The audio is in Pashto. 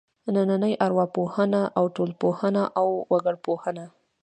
نننۍ ارواپوهنه او ټولنپوهنه او وګړپوهنه.